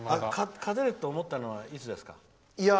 勝てると思ったのはいつですか？